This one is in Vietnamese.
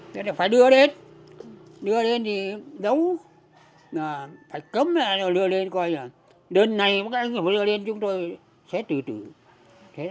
nhiều nước việt nam đã bị giam cầm tại nơi đây